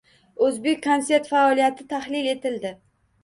“O‘zbekkonsert" faoliyati tahlil etildi